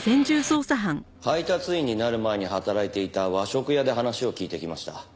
配達員になる前に働いていた和食屋で話を聞いてきました。